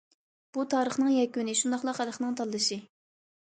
بۇ تارىخنىڭ يەكۈنى، شۇنداقلا خەلقنىڭ تاللىشى.